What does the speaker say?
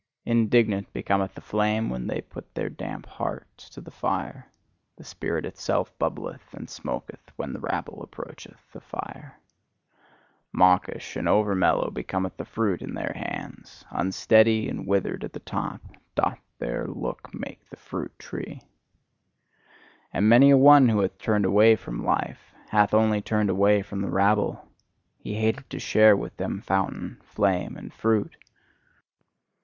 Indignant becometh the flame when they put their damp hearts to the fire; the spirit itself bubbleth and smoketh when the rabble approach the fire. Mawkish and over mellow becometh the fruit in their hands: unsteady, and withered at the top, doth their look make the fruit tree. And many a one who hath turned away from life, hath only turned away from the rabble: he hated to share with them fountain, flame, and fruit.